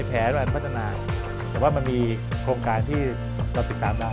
แต่มันมีโครงการที่เราติดตามได้